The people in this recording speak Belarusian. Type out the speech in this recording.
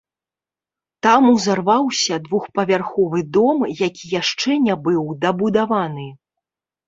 Там узарваўся двухпавярховы дом, які яшчэ не быў дабудаваны.